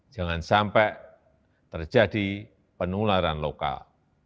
jangan sampai terjadi penularan lokal